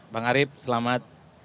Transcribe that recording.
bang arief selamat